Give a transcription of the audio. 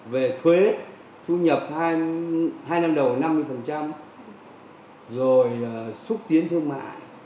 về thuế thu nhập hai năm đầu năm mươi rồi xúc tiến thương mại